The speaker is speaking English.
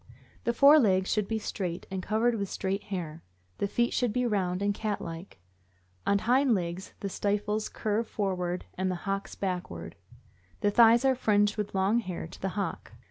The fore legs should be straight, and covered with straight hair; the feet should be round and cat like. On hind legs the stifles curve forward and the hocks backward; the thighs are fringed with long hair to the hock.